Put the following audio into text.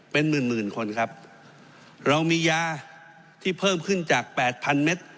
เป็นหมื่นหมื่นคนครับเรามียาที่เพิ่มขึ้นจากแปดพันเมตร